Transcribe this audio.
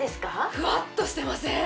ふわっとしてません？